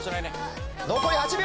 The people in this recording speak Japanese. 残り８秒！